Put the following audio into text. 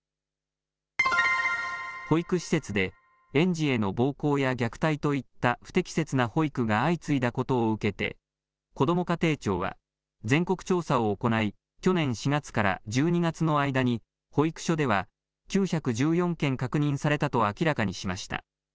保育施設で園児への暴行や虐待といった不適切な保育が相次いだことを受けてこども家庭庁は全国調査を行い去年４月から１２月の間に保育所では９１４件確認されたと明らかにしました。